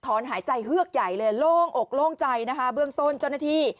หายใจเฮือกใหญ่เลยโล่งอกโล่งใจนะคะเบื้องต้นเจ้าหน้าที่